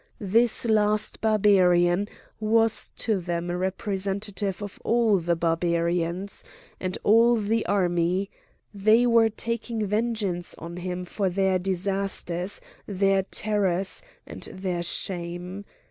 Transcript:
This last Barbarian was to them a representative of all the Barbarians, and all the army; they were taking vengeance on him for their disasters, their terrors, and their shame.